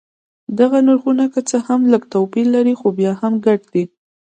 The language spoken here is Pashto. دغه نرخونه که څه هم لږ توپیر لري خو بیا هم ګډ دي.